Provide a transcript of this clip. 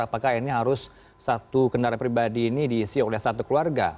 apakah ini harus satu kendaraan pribadi ini diisi oleh satu keluarga